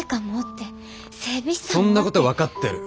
そんなことは分かってる。